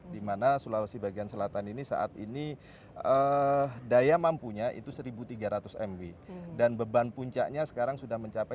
dimana sulawesi bagian selatan ini saat ini daya mampunya itu seribu tiga ratus mw dan beban puncaknya sekarang sudah mencapai